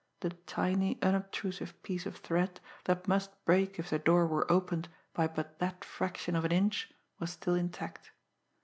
The tiny, unobtrusive piece of thread, that must break if the door were opened by but that fraction of an inch, was still intact.